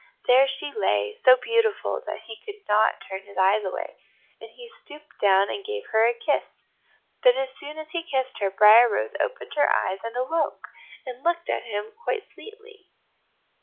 There she lay, so beautiful that he could not turn his eyes away; and he stooped down and gave her a kiss. But as soon as he kissed her, Briar rose opened her eyes and awoke, and looked at him quite sweetly.